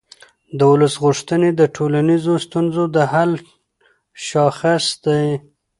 د ولس غوښتنې د ټولنیزو ستونزو د حل شاخص دی